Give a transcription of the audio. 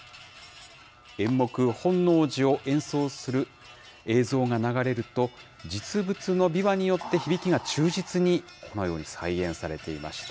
演目、本能寺を演奏する映像が流れると、実物の琵琶によって響きが忠実に、このように再現されていました。